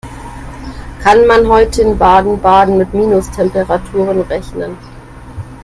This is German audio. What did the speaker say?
Kann man heute in Baden-Baden mit Minustemperaturen rechnen?